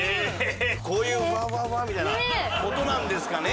こういうふわふわふわみたいな事なんですかね？